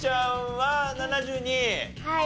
はい。